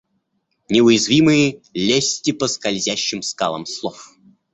Неуязвимые, лезьте по скользящим скалам слов.